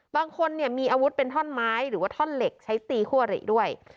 บางคนเนี่ยมีอาวุธเป็นท่อนไม้หรือว่าท่อนเหล็กใช้ตีคู่อริด้วย